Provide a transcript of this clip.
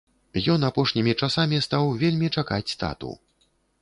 Ён апошнімі часамі стаў вельмі чакаць тату.